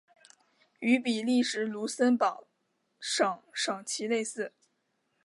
与比利时卢森堡省省旗类似。